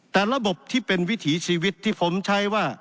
แต่ระบบที่เป็นวิถีชีวิตที่ผมใช้ว่า